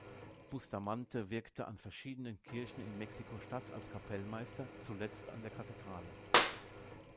Bustamante wirkte an verschiedenen Kirchen in Mexiko-Stadt als Kapellmeister, zuletzt an der Kathedrale.